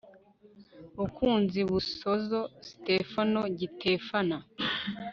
BukunziBusozo Stefano Gitefana